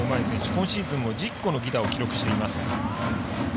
今シーズンも１０個の犠打を記録しています。